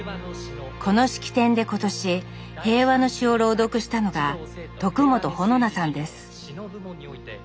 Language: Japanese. この式典で今年「平和の詩」を朗読したのが元穂菜さんです